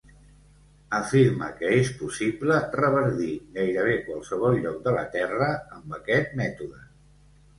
Afirma que és possible reverdir gairebé qualsevol lloc de la Terra amb aquest mètode.